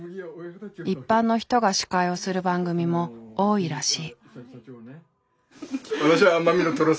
一般の人が司会をする番組も多いらしい。